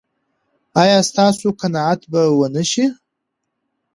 ایا ستاسو قناعت به و نه شي؟